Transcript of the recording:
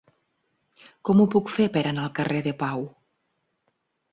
Com ho puc fer per anar al carrer de Pau?